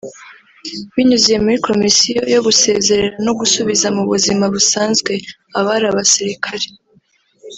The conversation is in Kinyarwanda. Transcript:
Binyuze muri Komisiyo yo gusezerera no gusubiza mu buzima busanzwe abari abasirikare